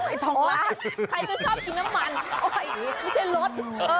อ๋อไอ้ทองราดใครจะชอบกินน้ำมันไม่ใช่รส